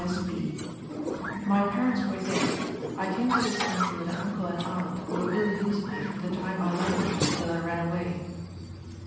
S. B.: "My parents were dead. I came to this country with an uncle and aunt, who ill used me from the time I landed till I ran away."